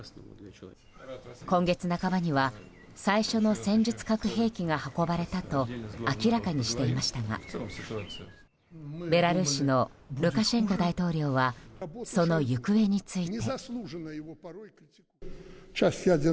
今月半ばには最初の戦術核兵器が運ばれたと明らかにしていましたがベラルーシのルカシェンコ大統領はその行方について。